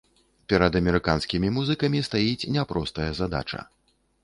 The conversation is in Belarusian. Перад амерыканскімі музыкамі стаіць няпростая задача.